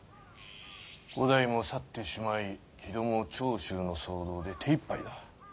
五代も去ってしまい木戸も長州の騒動で手いっぱいだ。